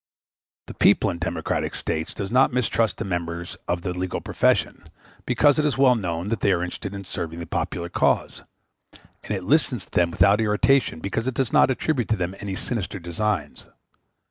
The people in democratic states does not mistrust the members of the legal profession, because it is well known that they are interested in serving the popular cause; and it listens to them without irritation, because it does not attribute to them any sinister designs.